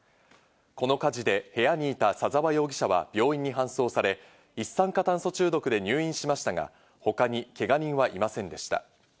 この火事で部屋にいた左沢容疑者は病院に搬送され、一酸化炭素中毒で入院しましたが、他にけが人はいませんでした。